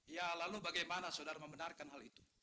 ya lalu bagaimana saudara membenarkan hal itu